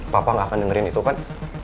papa nggak akan dengerin itu kan